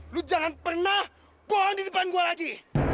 lo jangan pernah bohong di depan gue lagi